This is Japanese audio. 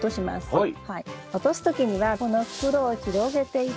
はい。